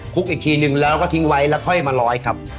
คุกอีกทีนึงแล้วก็ทิ้งไว้แล้วค่อยมาร้อยครับ